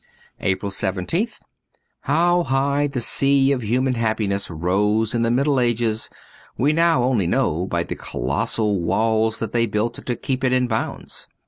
xi6 APRIL 17th HOW high the sea of human happiness rose in the Middle Ages, we now only know by the colossal walls that they built to keep it in bounds.